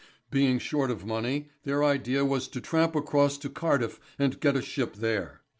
Being short of money, their idea was to tramp across to Cardiff and get a ship there.